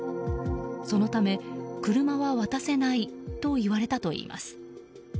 そのため、車は渡せないと言われたといいます。